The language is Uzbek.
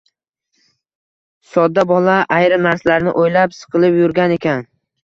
Sodda bola ayrim narsalarni o‘ylab, siqilib yurgan ekan.